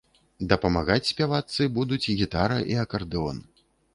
Дапамагаць спявачцы будуць гітара і акардэон.